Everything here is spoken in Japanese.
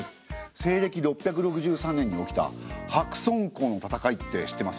西暦６６３年に起きた白村江の戦いって知ってます？